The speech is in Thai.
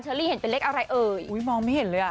ลี่เห็นเป็นเลขอะไรเอ่ยอุ้ยมองไม่เห็นเลยอ่ะ